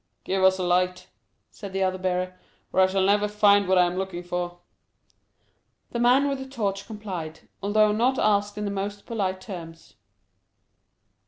"Give us a light," said the other bearer, "or I shall never find what I am looking for." The man with the torch complied, although not asked in the most polite terms.